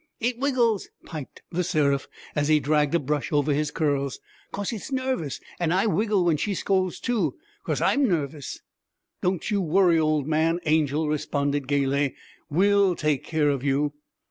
'It wiggles,' piped The Seraph, as he dragged a brush over his curls, ''cos it's nervous, an' I wiggle when she scolds, too, 'cos I'm nervous.' 'Don't you worry, old man,' Angel responded gayly, 'we'll take care of you.'